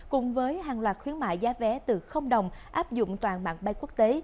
cùng với hàng loạt khuyến mại giá vé từ đồng áp dụng toàn mạng bay quốc tế